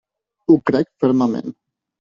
Ho crec fermament.